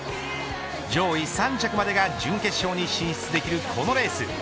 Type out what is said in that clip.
上位３着までが準決勝に進出できるこのレース。